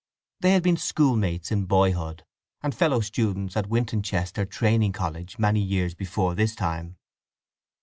They had been schoolmates in boyhood, and fellow students at Wintoncester Training College, many years before this time.